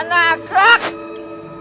kenapa dia suara ulur